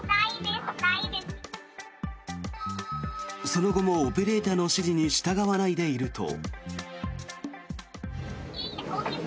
その後もオペレーターの指示に従わないでいると。